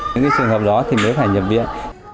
những trường hợp đó thì mới phải nhập viện